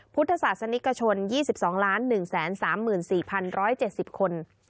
พุทธศาสนิกชน๒๒๑๓๔๑๗๐คน